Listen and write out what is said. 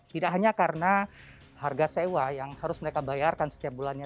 tidak hanya karena harga sewa yang harus mereka bayarkan setiap bulannya